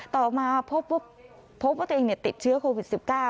ต่อมาพบว่าตัวเองติดเชื้อโควิด๑๙